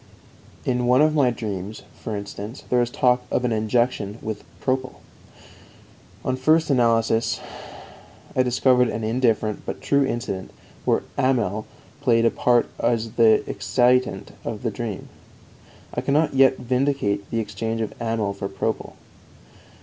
In one of my dreams, for instance, there is talk of an injection with propyl. On first analysis I discovered an indifferent but true incident where amyl played a part as the excitant of the dream. I cannot yet vindicate the exchange of amyl for propyl.